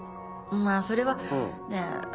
まぁそれはねぇ。